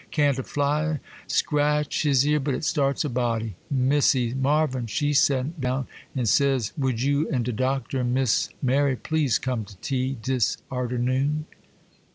—can't a fly scratch his ear but it starts a body. Missy Marvyn she sent down, an' says, would you and de Doctor an' Miss Mary please come to tea dis arternoon?